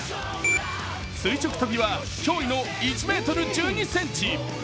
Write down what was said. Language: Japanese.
垂直跳びは驚異の１ｍ１２ｃｍ。